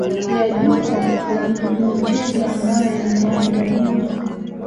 ya jukwaa la michezo ambayo yameandaliwa